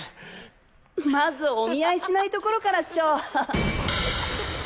まずお見合いしないところからっしょ。